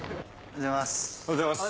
おはようございます。